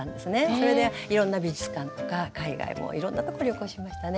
それでいろんな美術館とか海外もいろんなとこ旅行しましたね。